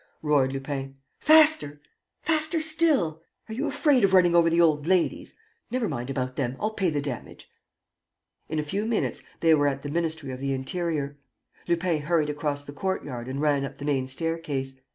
roared Lupin. "Faster! ... Faster still! Are you afraid of running over the old ladies? Never mind about them! I'll pay the damage!" In a few minutes, they were at the Ministry of the Interior. Lupin hurried across the courtyard and ran up the main staircase.